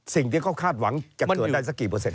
สิ่งที่เขาคาดหวังจะเกิดได้สักกี่เปอร์เซ็